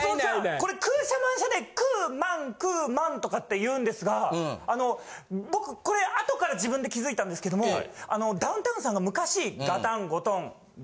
これ空車満車で「空・満・空・満」とかって言うんですがあの僕これ後から自分で気づいたんですけどもあのダウンタウンさんが昔「ガタンゴトン」。